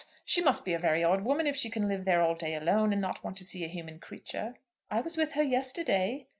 She must be a very odd woman if she can live there all day alone, and not want to see a human creature." "I was with her yesterday."